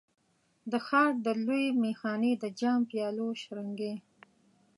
د ښار د لویې میخانې د جام، پیالو شرنګی